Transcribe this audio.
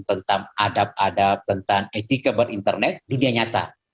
tentang adab adab tentang etika berinternet dunia nyata